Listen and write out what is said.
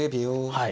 はい。